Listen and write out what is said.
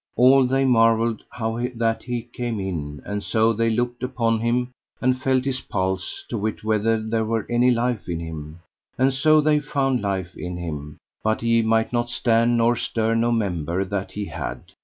All they marvelled how that he came in, and so they looked upon him, and felt his pulse to wit whether there were any life in him; and so they found life in him, but he might not stand nor stir no member that he had.